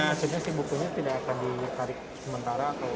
maksudnya bukunya tidak akan ditarik sementara